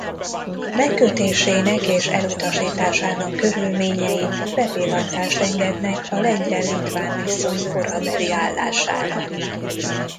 Megkötésének és elutasításának körülményei bepillantást engednek a lengyel–litván viszony korabeli állására.